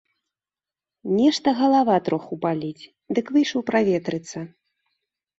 Нешта галава троху баліць, дык выйшаў праветрыцца.